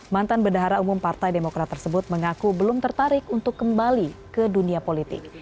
mantan bendahara umum partai demokrat tersebut mengaku belum tertarik untuk kembali ke dunia politik